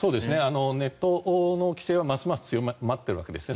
ネットの規制はますます強まっているわけです。